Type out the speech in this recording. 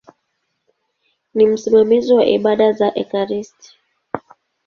Ni msimamizi wa ibada za ekaristi.